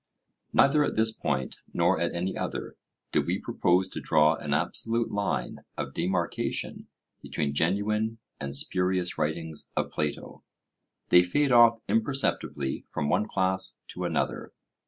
Neither at this point, nor at any other, do we propose to draw an absolute line of demarcation between genuine and spurious writings of Plato. They fade off imperceptibly from one class to another.